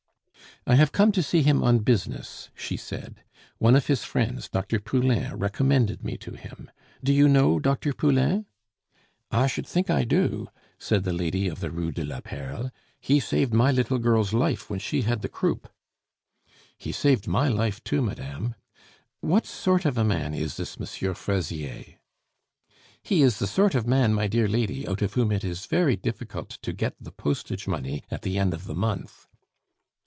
"I have come to see him on business," she said. "One of his friends, Dr. Poulain, recommended me to him. Do you know Dr. Poulain?" "I should think I do," said the lady of the Rue de la Perle. "He saved my little girl's life when she had the croup." "He saved my life, too, madame. What sort of a man is this M. Fraisier?" "He is the sort of man, my dear lady, out of whom it is very difficult to get the postage money at the end of the month."